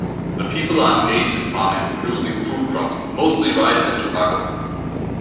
The people are engaged in farming, producing food crops, mostly rice and tobacco.